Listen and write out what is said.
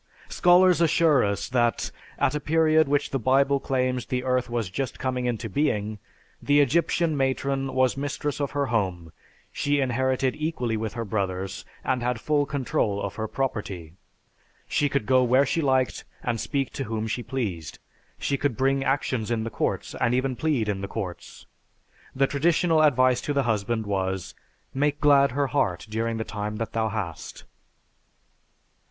Scholars assure us that, at a period which the Bible claims the Earth was just coming into being, the Egyptian matron was mistress of her home, she inherited equally with her brothers, and had full control of her property. She could go where she liked and speak to whom she pleased. She could bring actions in the courts and even plead in the courts. The traditional advice to the husband was, "Make glad her heart during the time that thou hast."